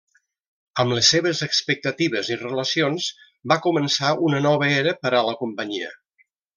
Amb les seves expectatives i relacions va començar una nova era per a la companyia.